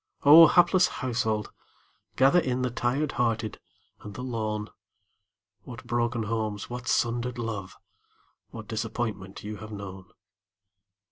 Oh, hapless household, gather in The tired hearted and the lone! What broken homes, what sundered love, What disappointment you have known!